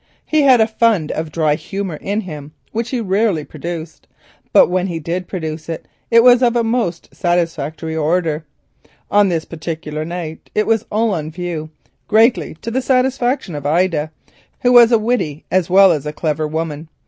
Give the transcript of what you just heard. He possessed a fund of dry humour which he rarely produced, but when he did produce it, it was of a most satisfactory order. On this particular night it was all on view, greatly to the satisfaction of Ida, who was a witty as well as a clever woman.